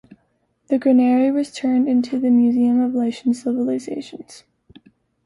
The granary was turned into the Museum of Lycian Civilizations.